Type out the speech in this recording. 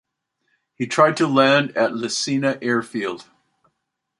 He tried to land at Lesina Airfield.